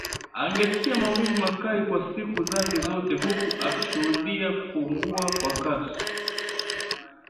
Angesikia maumivu makali kwa siku zake zote huku akishuhudia kupungua kwa kasi